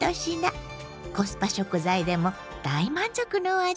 コスパ食材でも大満足のお味です。